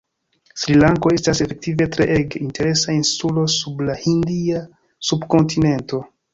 Sri-Lanko estas efektive treege interesa insulo sub la hindia subkontinento.